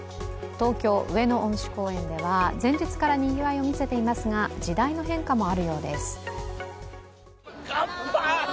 東京・上野恩賜公園では、前日からにぎわいを見せていますが、時代の変化もあるようです。